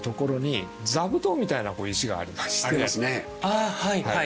あはいはい。